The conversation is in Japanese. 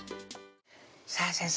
さぁ先生